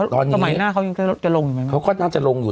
ตอนนี้ต่อใหม่หน้าเขายังจะลงอยู่ไหมเขาก็น่าจะลงอยู่